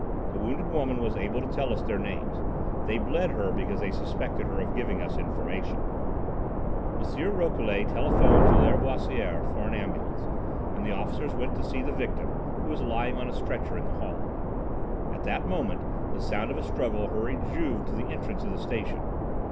The wounded woman was able to tell us their names. They 'bled' her because they suspected her of giving us information." M. Rouquelet telephoned to Lâriboisière for an ambulance, and the officers went to see the victim, who was lying on a stretcher in the hall. At that moment, the sound of a struggle hurried Juve to the entrance of the station.